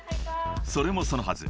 ［それもそのはず